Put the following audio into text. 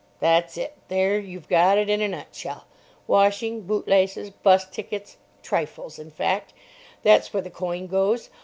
That's it. There you've got it in a nutshell. Washing, bootlaces, bus tickets—trifles, in fact: that's where the coin goes.